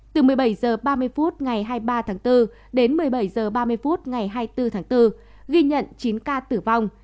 từ một mươi bảy h ba mươi phút ngày hai mươi ba tháng bốn đến một mươi bảy h ba mươi phút ngày hai mươi bốn tháng bốn ghi nhận chín ca tử vong